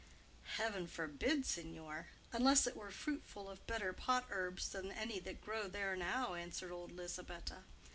"Heaven forbid, signor, unless it were fruitful of better pot herbs than any that grow there now," answered old Lisabetta.